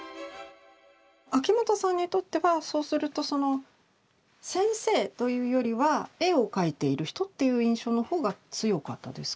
秋元さんにとってはそうするとその「先生」というよりは「絵を描いている人」っていう印象の方が強かったですか？